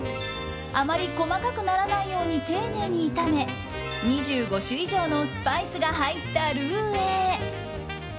あまり細かくならないように丁寧に炒め２５種以上のスパイスが入ったルーへ。